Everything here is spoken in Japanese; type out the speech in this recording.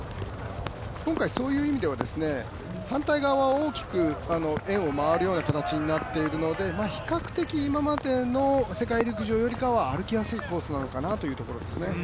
今回、そういう意味では反対側を大きく円を回るような形になっているので比較的、今までの世界陸上よりは歩きやすいコースなのかなというところですね。